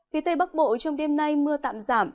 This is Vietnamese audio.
phía tây bắc bộ trong đêm nay mưa tạm giảm